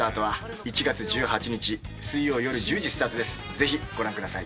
ぜひご覧ください。